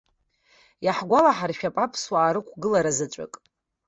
Иаҳгәалаҳаршәап аԥсуаа рықәгылара заҵәык.